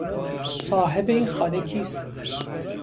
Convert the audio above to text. صاحب این خانه کیست؟